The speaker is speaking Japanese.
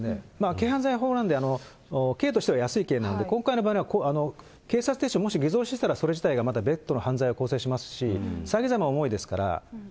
軽犯罪法なんで、刑としては安い刑なんで、今回の場合は、警察手帳をもし偽造してたら、それ自体がまた別途の犯罪を構成しますし、詐欺罪は重いですから。